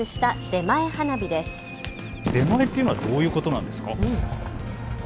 出前ってどういうことなんですか。